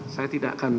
saya tidak akan